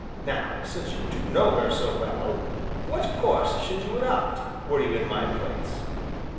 Now, since you do know her so well, what course should you adopt, were you in my place?